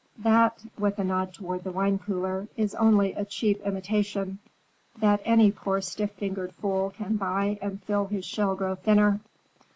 "That," with a nod toward the wine cooler, "is only a cheap imitation, that any poor stiff fingered fool can buy and feel his shell grow thinner.